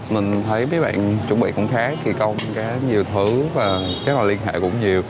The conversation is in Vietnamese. mình thấy mấy bạn chuẩn bị cũng khá kỳ công có nhiều thứ và rất là liên hệ cũng nhiều